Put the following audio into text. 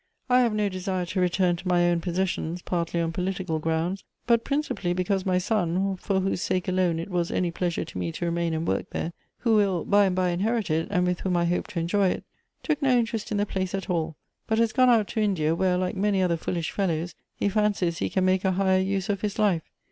I have no desire to return to my own possessions, partly on political grounds, but principally because my son, for whose sake alone it was any pleasure to me to remain and work there, — who will, by and by. Elective Afpikities. 247 inherit it, and with whom I hoped to enjoy it, — took no interest in the place at all, but has gone out to India, where, like many other foolish fellows, he fancies he can make a higher use of his life.